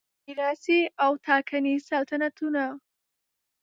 میراثي او ټاکنیز سلطنتونه